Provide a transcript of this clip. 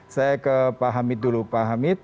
saya ke pak hamid dulu pak hamid